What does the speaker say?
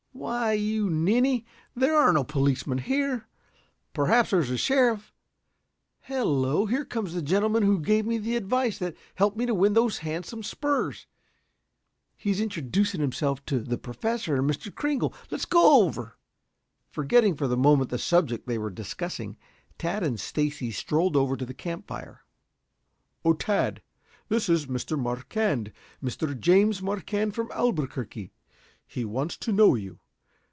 "Why, you ninny, there are no policemen here. Perhaps there is a sheriff. Hello, here comes the gentleman who gave me the advice that helped me to win those handsome spurs. He's introducing himself to the Professor and Mr. Kringle. Let's go over." Forgetting for the moment the subject they were discussing, Tad and Stacy strolled over to the camp fire. "O Tad, this is Mr. Marquand, Mr. James Marquand from Albuquerque. He wants to know you.